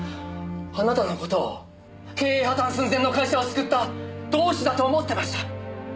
あなたの事を経営破たん寸前の会社を救った同志だと思ってました。